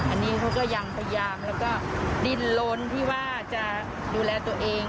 อันนี้เขาก็ยังพยายามแล้วก็ดินล้นที่ว่าจะดูแลตัวเอง